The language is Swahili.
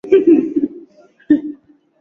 Saa unapiga nduru juu ushapotezanga hela.